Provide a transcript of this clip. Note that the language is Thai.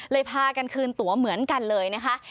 พากันคืนตัวเหมือนกันเลยนะคะ